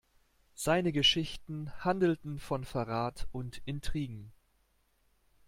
Seine Geschichten handelten von Verrat und Intrigen.